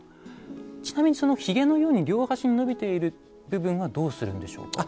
ちなみにそのひげのように両端に伸びている部分はどうするんでしょうか。